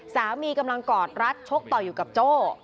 สามีกำลังกอดรัดชกต่อยอยู่กับโจ้